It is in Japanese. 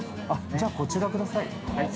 ◆じゃあ、こちらください。